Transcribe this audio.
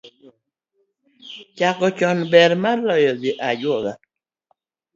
Chako Chon ber, noloyo dhi ajuoga